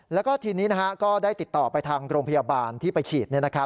แล้วก็ทีนี้ก็ได้ติดต่อไปทางโรงพยาบาลที่ไปฉีด